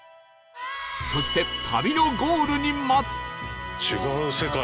そして旅のゴールに待つ